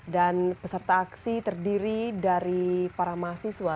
dan peserta aksi terdiri dari para mahasiswa